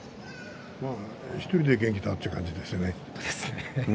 １人で元気だという感じですよね。